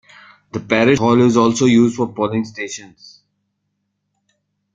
The parish hall is also used for polling stations.